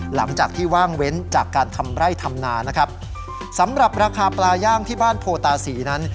หลังจากที่ว่างเว้นจากการทำไร่ทำนานะครับสำหรับราคาปลาย่างที่บ้านโพตาศรีนั้น